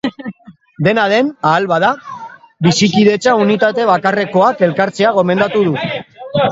Dena den, ahal bada, bizikidetza unitate bakarrekoak elkartzea gomendatu du.